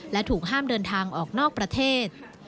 และถูกห้ามเดินทางออกนอกประเทศ